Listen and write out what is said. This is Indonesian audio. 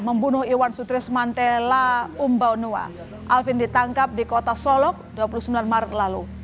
membunuh iwan sutris mantella umbaunua alvin ditangkap di kota solok dua puluh sembilan maret lalu